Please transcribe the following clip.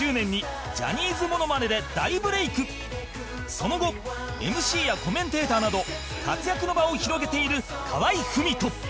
その後 ＭＣ やコメンテーターなど活躍の場を広げている河合郁人